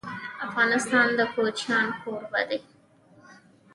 افغانستان د کوچیان کوربه دی.